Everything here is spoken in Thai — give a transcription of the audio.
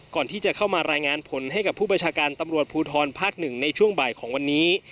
ก่อนที่จะเข้ามารายงานผลให้กับผู้ประชาการตำรวจภูทรภาค๑ในช่วงบ่ายของวันนี้